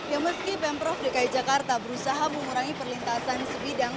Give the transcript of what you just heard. ya meski pemprov dki jakarta berusaha mengurangi perlintasan sebidang